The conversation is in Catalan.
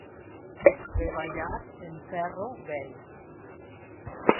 Treballar en ferro vell.